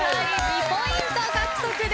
２ポイント獲得です。